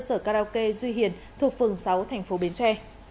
ở phường sáu thành phố bến tre